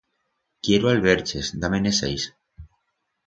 Quiero alberches, da-me-ne seis.